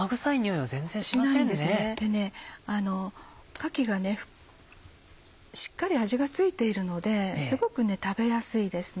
かきがしっかり味が付いているのですごく食べやすいですね。